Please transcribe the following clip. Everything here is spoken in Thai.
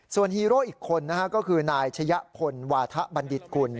ส่วนฮีโร่อีกคนนะฮะก็คือนายชะยะพลวาทะบัณฑิตกุล